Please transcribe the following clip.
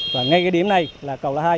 và ngay cái điểm này là cầu là hai